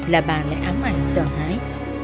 là bà lại ám ảnh sợ hãi